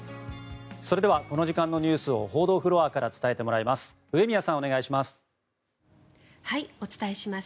それではこの時間のニュースを報道フロアから伝えてもらいます上宮さん、お願いします。